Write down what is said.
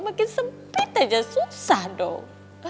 makin sempit aja susah dong